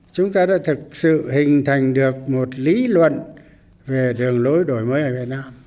chúng ta đã thực sự hình thành được một lý luận về đường lối đổi mới ở việt nam